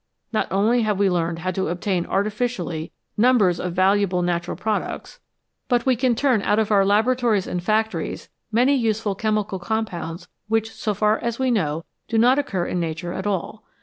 Not only have we learned how to obtain artificially numbers of valuable natural products, but we can turn out of our laboratories 258 HOW MAN COMPETES WITH NATURE and factories many useful chemical compounds which, so far as we know, do not occur in Nature at all.